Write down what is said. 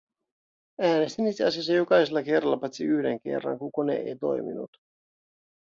Äänestin itse asiassa jokaisella kerralla paitsi yhden kerran, kun kone ei toiminut.